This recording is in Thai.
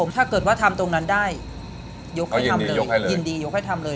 ถ้าเกิดว่าทำตรงนั้นได้ยกให้ทำเลย